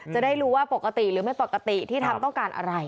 จะได้รู้ว่าปกติหรือไม่ปกติที่ทำต้องการอะไร